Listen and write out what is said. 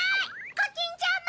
コキンちゃんも！